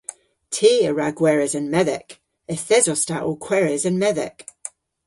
Ty a wra gweres an medhek. Yth esos ta ow kweres an medhek.